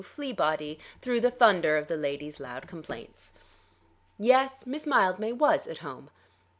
Fleabody through the thunder of the lady's loud complaints. Yes, Miss Mildmay was at home.